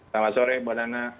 selamat sore mbak nana